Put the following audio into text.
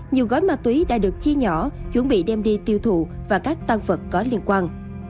nhiều gói ma túy đã được chia nhỏ chuẩn bị đem đi tiêu thụ và các tăng vật có liên quan